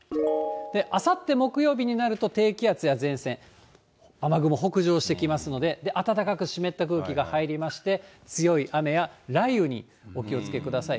あさって木曜日になると、低気圧や前線、雨雲北上してきますので、暖かく湿った空気が入りまして、強い雨や雷雨にお気をつけください。